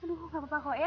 aduh nggak apa apa ya